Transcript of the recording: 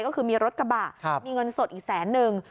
ก็คือมีรถกระบะมีเงินสดอีกแสนนึง